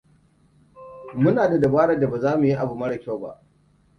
Muna da dabarar da ba za mu yi abu mara kyau ba.